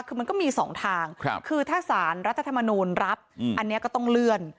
คือมันก็มีสองทางคือถ้าสารรัฐธรรมนูลรับอันนี้ก็ต้องเลื่อน